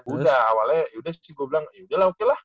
udah awalnya yaudah sih gue bilang yaudah lah